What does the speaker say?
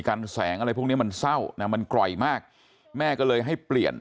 กันแสงอะไรพวกเนี้ยมันเศร้านะมันกร่อยมากแม่ก็เลยให้เปลี่ยน